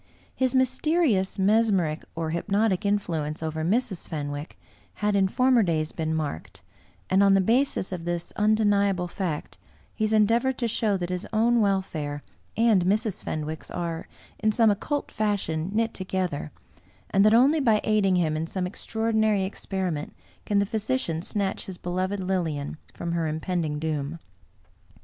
His mysterious mesmeric or hypnotic influence over Mrs. Fenwick had in former days been marked ; and on the basis of this undeniable fact, he has endeavored to show that his own welfare and Mrs. Fen wick's are, in some occult fashion, knit together, and that only by aiding him in some extraordinary experiment can the physician snatch his beloved Lilian from her impending doom.